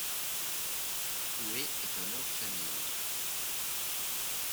Coe est un nom de famille.